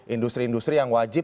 industri industri yang wajib